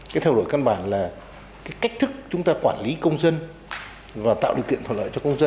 cái thay đổi căn bản là cái cách thức chúng ta quản lý công dân và tạo điều kiện thuận lợi cho công dân